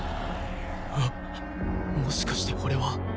あっもしかして俺は